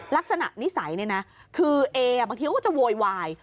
ลักษณะนิสัยเนี่ยนะคือเอบางทีก็จะโวยวาย